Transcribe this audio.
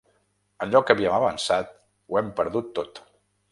Allò que havíem avançat, ho hem perdut tot.